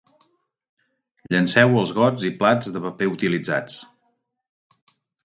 Llenceu els gots i plats de paper utilitzats.